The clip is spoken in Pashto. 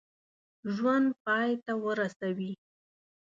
ژوند پای ته ورسوي.